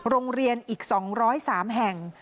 โรงเรียนอีก๒๐๓แห่ง